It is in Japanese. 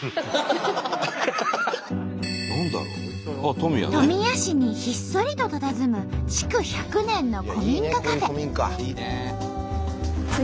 富谷市にひっそりとたたずむ築１００年の古民家カフェ。